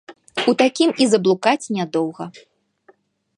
У такім і заблукаць нядоўга!